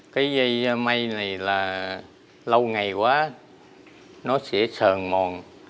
cái dây mây này là lâu ngày quá nó sẽ sờn mòn